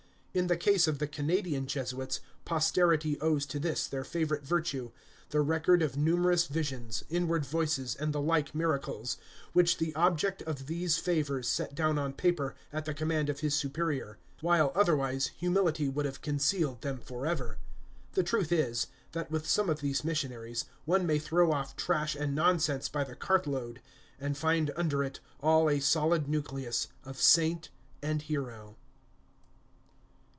In the case of the Canadian Jesuits, posterity owes to this, their favorite virtue, the record of numerous visions, inward voices, and the like miracles, which the object of these favors set down on paper, at the command of his Superior; while, otherwise, humility would have concealed them forever. The truth is, that, with some of these missionaries, one may throw off trash and nonsense by the cart load, and find under it all a solid nucleus of saint and hero.